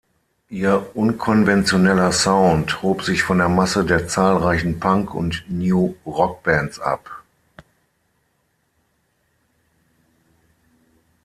Ihr unkonventioneller Sound hob sich von der Masse der zahlreichen Punk- und New-Rock-Bands ab.